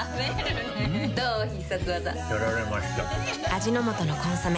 味の素の「コンソメ」